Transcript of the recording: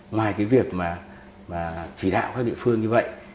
ngoài việc chỉ đạo các địa phương như vậy